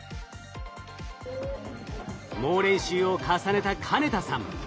猛練習を重ねた金田さん。